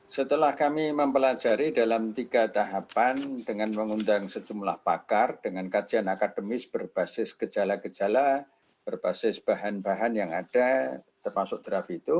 setelah kami mempelajari dalam tiga tahapan dengan mengundang sejumlah pakar dengan kajian akademis berbasis gejala gejala berbasis bahan bahan yang ada termasuk draft itu